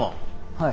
はい。